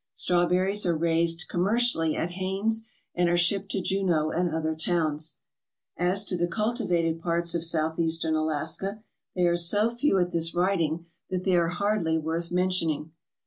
Strawberries are raised commercially at Haines and are shipped to Juneau and other towns. As to the cultivated parts of Southeastern Alaska, they are so few at this writing that they are hardly worth mentioning.